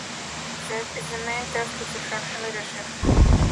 That is the main task of the fraction leadership.